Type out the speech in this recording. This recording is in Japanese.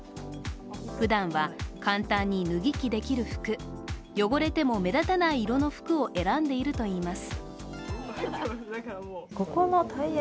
ふだんは簡単に脱ぎ着できる服、汚れても目立たない色の服を選んでいるといいます。